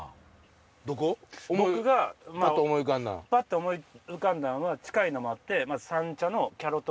パッて思い浮かんだんは近いのもあって。